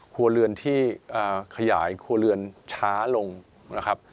ครัวเรือนที่ขยายครัวเรือนช้าลงนะครับ